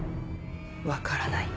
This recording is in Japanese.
分からない。